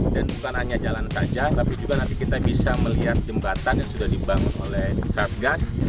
bukan hanya jalan saja tapi juga nanti kita bisa melihat jembatan yang sudah dibangun oleh satgas